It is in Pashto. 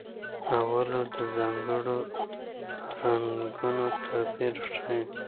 اولو د ځانګړو رنګونو توپیر ښيي.